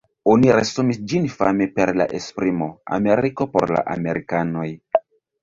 Oni resumis ĝin fame per la esprimo "Ameriko por la amerikanoj".